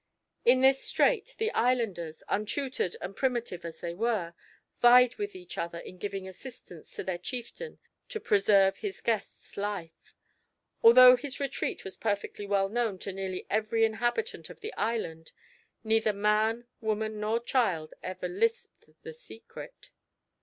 In this strait, the islanders, untutored and primitive as they were, vied with each other in giving assistance to their chieftain to preserve his guest's life. Although his retreat was perfectly well known to nearly every inhabitant of the island, neither man, woman nor child ever lisped the secret.